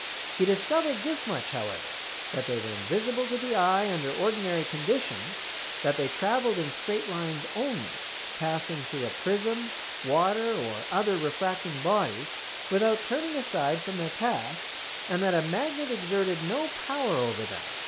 He discovered this much, however, that they were invisible to the eye under ordinary conditions; that they travelled in straight lines only, passing through a prism, water, or other refracting bodies without turning aside from their path; and that a magnet exerted no power over them.